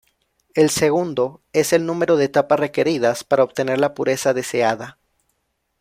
El segundo es el número de etapas requeridas para obtener la pureza deseada.